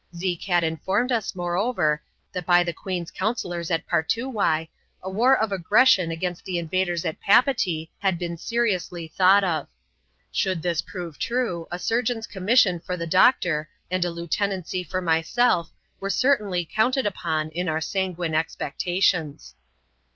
Zeke had informed us, moreover, that by the queen's counsellors at Partoowye, a war of aggression against the invaders at Papeetee had been seriously thought of. Should this prove true, a surgeon's commission for the doctor, and a lieutenancy for myself, were certainly counted upon in our sanguine expectations.